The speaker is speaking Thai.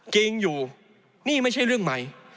จริงอยู่นี่ไม่ใช่เรื่องใหม่